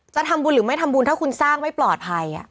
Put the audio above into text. จะทำบุญหรือไม่ทำบุญถ้าคุณสร้างไม่ปลอดภัย